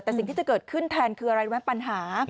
แต่สิ่งที่จะเกิดขึ้นแทนคืออะไรรู้ไหมปัญหา